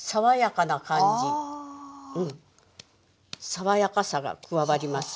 爽やかさが加わります。